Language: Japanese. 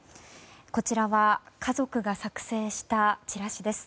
こちらは家族が作成したチラシです。